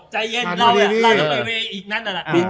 ใจเย็น